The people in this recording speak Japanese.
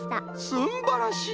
すんばらしい！